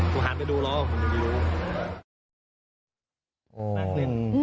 ผมหันไปดูแล้วผมถึงไม่รู้